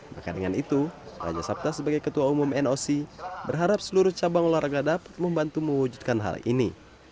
maka dengan itu raja sabta sebagai ketua umum noc berharap seluruh cabang olahraga dapat membantu mewujudkan hal ini